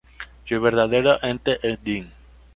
Su verdadero Ente es Dean.